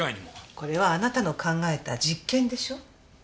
これはあなたの考えた実験でしょ？